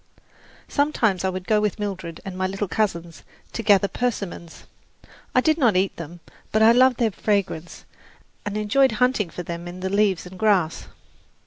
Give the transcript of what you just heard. Sometimes I would go with Mildred and my little cousins to gather persimmons. I did not eat them; but I loved their fragrance and enjoyed hunting for them in the leaves and grass.